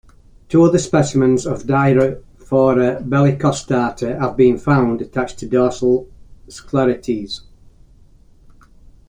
Two other specimens of "Diraphora bellicostata" have been found attached to dorsal sclerites.